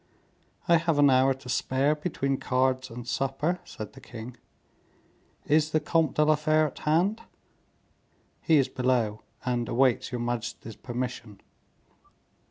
"I have an hour to spare between cards and supper," said the king. "Is the Comte de la Fere at hand?" "He is below, and awaits your majesty's permission."